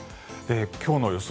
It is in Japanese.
今日の予想